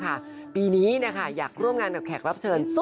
เพราะว่ามีศิลปินดังมาร่วมร้องเพลงรักกับหนูโตหลายคนเลยค่ะ